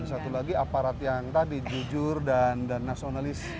dan satu lagi aparat yang tadi jujur dan nasionalis